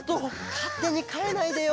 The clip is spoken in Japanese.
かってにかえないでよ。